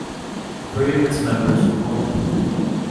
Three of its members were women.